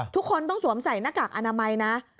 ทุกคนต้องสวมใส่หน้ากากอนามัยนะ